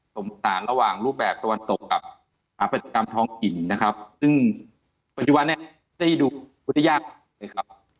สมสารระหว่างรูปแบบสวรรค์ตกกับประติกรรมท้องหิ่นซึ่งปัจจุบันนี้ได้ดูกุฎยาก